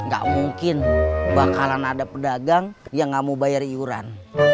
gak mungkin bakalan ada pedagang yang nggak mau bayar iuran